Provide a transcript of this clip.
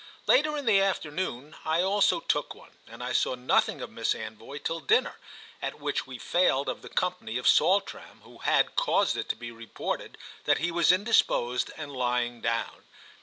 Later in the afternoon I also took one, and I saw nothing of Miss Anvoy till dinner, at which we failed of the company of Saltram, who had caused it to be reported that he was indisposed and lying down.